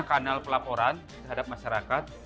kanal pelaporan terhadap masyarakat